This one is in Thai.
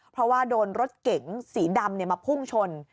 เพราะว่าโดนรถเก๋งสีดำมาพุ่งชน